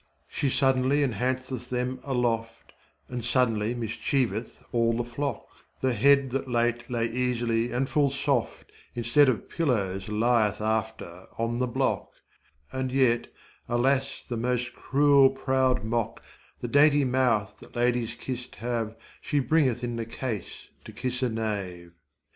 She suddenly enhanceth them aloft And suddenly mischieveth all the flock, The head that late lay easily and full soft Instead of pillows li'th after on the block, And yet, alas the most cruel proud mock The dainty mouth that ladies kissed have She bringeth in the case to kiss a knave.